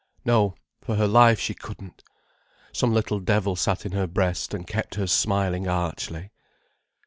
No, for her life she couldn't. Some little devil sat in her breast and kept her smiling archly.